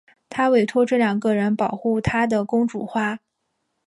她委托这两个人保护她的公主花。